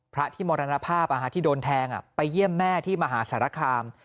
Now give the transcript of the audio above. พระที่มรณภาพที่โดนแทงไปเยี่ยมแม่ที่มหาสารคาม